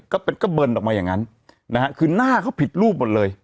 ก็เป็นก็เบิร์นออกมาอย่างนั้นนะฮะคือหน้าเขาผิดรูปหมดเลย